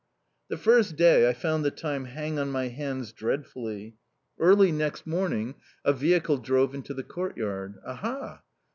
The first day I found the time hang on my hands dreadfully. Early next morning a vehicle drove into the courtyard... Aha!